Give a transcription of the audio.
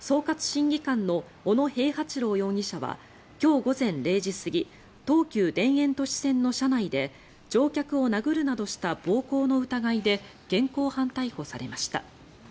審議官の小野平八郎容疑者は今日午前０時過ぎ東急田園都市線の車内で乗客を殴るなどした暴行の疑いで現行犯逮捕されました。